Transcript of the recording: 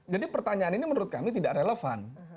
jadi pertanyaan ini menurut kami tidak relevan